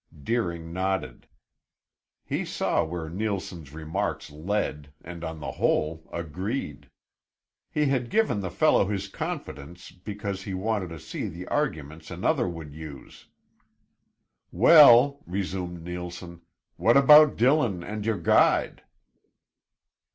Deering nodded. He saw where Neilson's remarks led and on the whole agreed. He had given the fellow his confidence because he wanted to see the arguments another would use. "Well," resumed Neilson, "what about Dillon and your guide?"